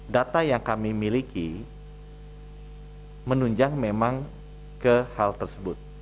data yang kami miliki menunjang memang ke hal tersebut